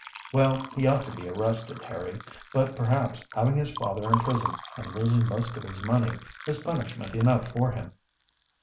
"Well, he ought to be arrested, Harry. But perhaps having his father in prison, and losing most of his money, is punishment enough for him."